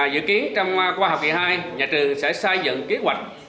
dự kiến trong khoa học kỳ hai nhà trường sẽ xây dựng kế hoạch